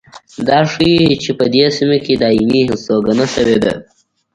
دا ښيي چې په دې سیمه کې دایمي هستوګنه شوې ده